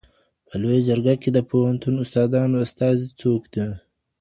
په لویه جرګه کي د پوهنتون استادانو استازي څوک دي؟